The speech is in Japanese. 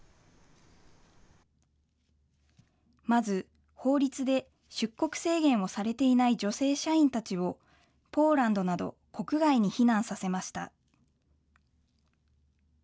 まず、法律で出国制限をされていない女性社員たちを、ポーランドなど、国外に避難させました。